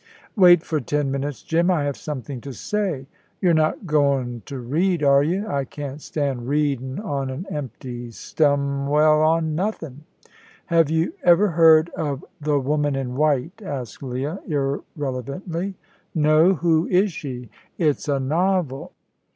"Wait for ten minutes, Jim. I have something to say." "You're not goin' to read, are you? I can't stand readin' on a empty stom well, on nothin'." "Have you ever heard of The Woman in White?" asked Leah, irrelevantly. "No; who is she?" "It's a novel."